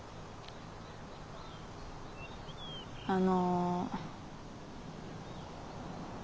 あの。